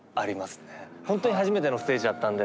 ほんとに初めてのステージだったんで。